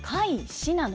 信濃